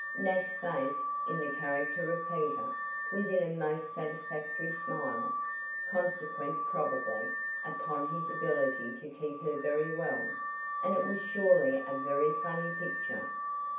Nat's face, in the character of Peter, was in a most satisfactory smile, consequent, probably, upon his ability to "keep her very well," and it was surely a very funny picture.